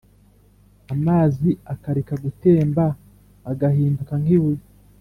amazi akareka gutemba agahinduka nk’ibuye,